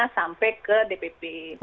sampai ke dpp